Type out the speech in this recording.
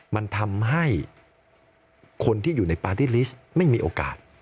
มันทำให้คนที่อยู่ในปาร์ตี้ลิสต์ไม่มีโอกาส